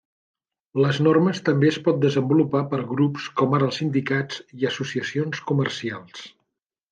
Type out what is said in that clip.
Les normes també es pot desenvolupar per grups com ara els sindicats, i associacions comercials.